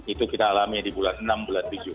itu kita alami di bulan enam bulan tujuh